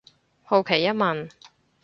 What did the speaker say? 好奇一問